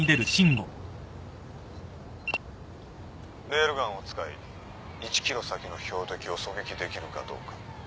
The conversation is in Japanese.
レールガンを使い１ｋｍ先の標的を狙撃できるかどうか。